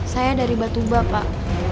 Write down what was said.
saya dari batuba pak